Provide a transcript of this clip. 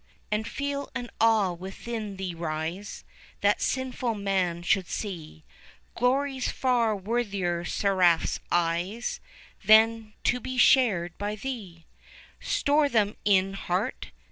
And feel an awe within thee rise, 5 That sinful man should see Glories far worthier Seraph's eyes Than to be shared by thee? Store them in heart!